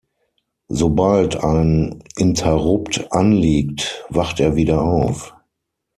Sobald ein Interrupt anliegt, wacht er wieder auf.